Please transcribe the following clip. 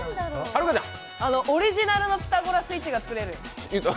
オリジナルのピタゴラスイッチが作れる。